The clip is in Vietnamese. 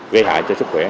gây hại cho sức khỏe